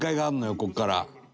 ここから。